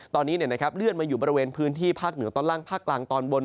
ตอนนี้เลื่อนมาอยู่บริเวณพื้นที่ภาคเหนือตอนล่างภาคกลางตอนบน